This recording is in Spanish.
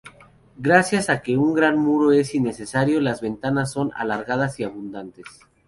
Gracias a que un gran muro es innecesario, las ventanas son alargadas y abundantes.